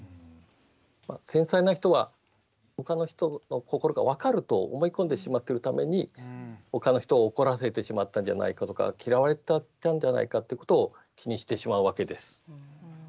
繊細な人はほかの人の心が分かると思い込んでしまっているためにほかの人を怒らせてしまったんじゃないかとか嫌われちゃったんじゃないかということを気にしてしまうわけです。